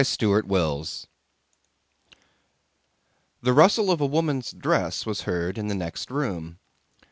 CHAPTER VII The rustle of a woman's dress was heard in the next room.